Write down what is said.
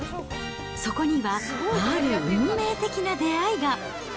そこには、ある運命的な出会いが。